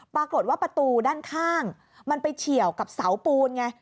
ปรากฏว่าประตูด้านข้างมันไปเฉียวกับเสาปูนไง